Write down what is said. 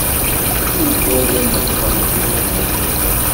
Ugaɣ ad neqqel d ibabaten.